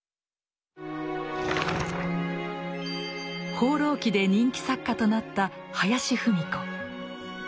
「放浪記」で人気作家となった林芙美子。